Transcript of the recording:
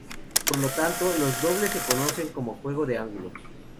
Por lo tanto, los dobles se conocen como juego de ángulos.